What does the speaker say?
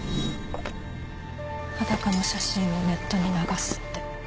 裸の写真をネットに流すって。